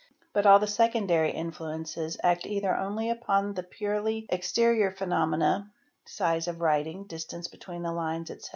But all the secondary in — fluences act either only upon the purely exterior phenomena (size of writing, distance between the lines, etc.